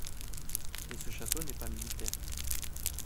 Mais ce château n'est pas militaire.